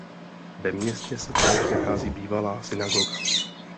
Ve městě se též nachází bývalá synagoga.